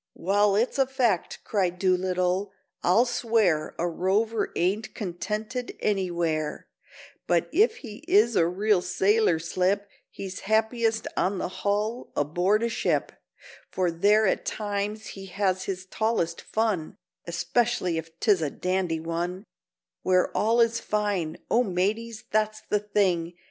"Wall, it's a fact," cried Doolittle, "I'll swear A rover ain't contented anywhere; But if he is a real sailor slip, He's happiest on the hull—aboard a ship— For there at times he has his tallest fun, Especially if 'tis a dandy one Where all is fine—O mateys, that's the thing!"